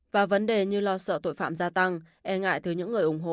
và vấn đề như lo sợ tội phạm gia tăng e ngại thiếu những người ủng hộ